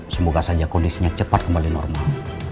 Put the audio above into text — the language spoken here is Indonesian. semoga saja kondisinya cepat kembali normal